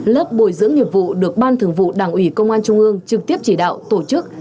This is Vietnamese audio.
lớp bồi dưỡng nghiệp vụ được ban thường vụ đảng ủy công an trung ương trực tiếp chỉ đạo tổ chức